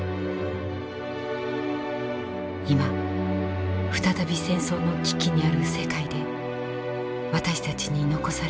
今再び戦争の危機にある世界で私たちに残された平和への道しるべです。